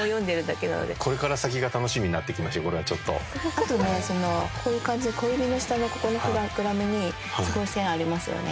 あとねこういう感じで小指の下のここの膨らみにすごい線ありますよね。